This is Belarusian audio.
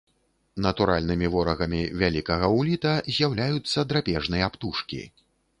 Натуральнымі ворагамі вялікага уліта з'яўляюцца драпежныя птушкі.